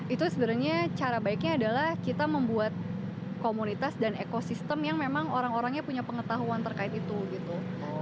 itu sebenarnya cara baiknya adalah kita membuat komunitas dan ekosistem yang memang orang orangnya punya pengetahuan terkait itu gitu